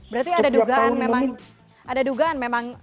berarti ada dugaan memang